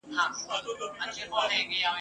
مُلا ډوب سو په سبا یې جنازه سوه ,